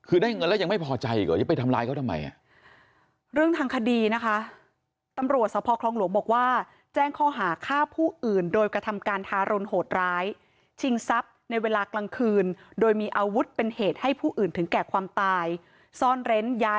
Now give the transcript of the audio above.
คือได้เงินแล้วยังไม่พอใจหรอกเดี๋ยวไปทำลายเขาทำไมอะ